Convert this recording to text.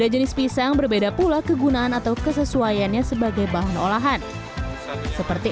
tiga jenis pisang berbeda pula kegunaan atau kesesuaiannya sebagai bahan olahan seperti